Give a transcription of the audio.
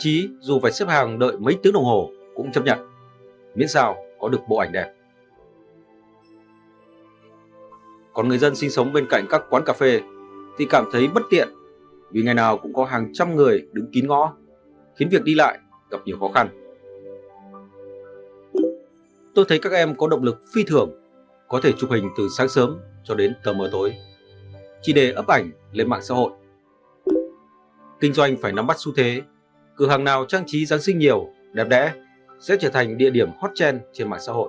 khi giáng sinh nhiều đẹp đẽ sẽ trở thành địa điểm hot trend trên mạng xã hội